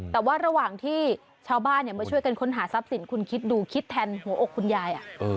แต่ว่าระหว่างที่ชาวบ้านมาช่วยกันค้นหาทรัพย์สินคุณคิดดูคิดแทนหัวอกคุณยาย